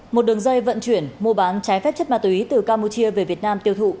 một đường dây vận chuyển mua bán trái phép chất ma túy từ campuchia về việt nam tiêu thụ